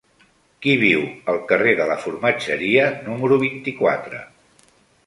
Qui viu al carrer de la Formatgeria número vint-i-quatre?